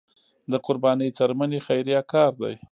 د قربانۍ څرمنې خیریه کار دی